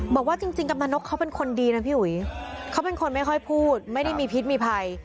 บอกว่าจริงกำลังนกเขาเป็นคนดีนะพี่อุ๋ยเขาเป็นคนไม่ค่อยพูดไม่ได้มีพิษมีภัย